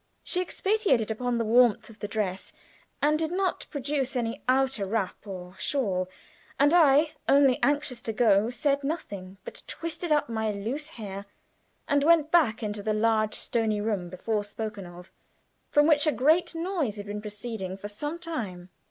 She expatiated upon the warmth of the dress, and did not produce any outer wrap or shawl, and I, only anxious to go, said nothing, but twisted up my loose hair, and went back into the large stony room before spoken of, from which a great noise had been proceeding for some time.